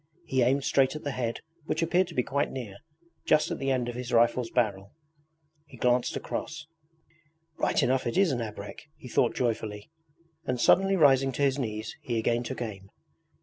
He aimed straight at the head which appeared to be quite near just at the end of his rifle's barrel. He glanced cross. 'Right enough it is an abrek! he thought joyfully, and suddenly rising to his knees he again took aim.